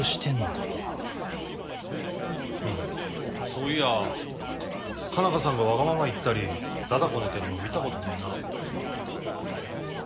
そういや佳奈花さんがわがまま言ったりだだこねてるの見たことねえな。